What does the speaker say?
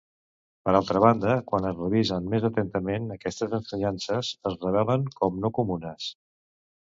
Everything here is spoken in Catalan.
Per altra banda, quan es revisen més atentament, aquestes ensenyances es revelen com no comunes.